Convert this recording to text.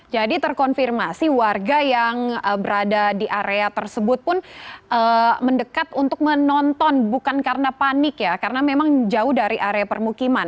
jadi terkonfirmasi warga yang berada di area tersebut pun mendekat untuk menonton bukan karena panik ya karena memang jauh dari area permukiman